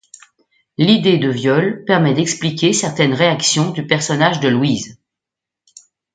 L'idée de viol permet d'expliquer certaines réactions du personnage de Louise.